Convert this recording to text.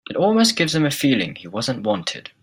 It almost gives him a feeling he wasn't wanted.